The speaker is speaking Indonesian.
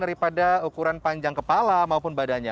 daripada ukuran panjang kepala maupun badannya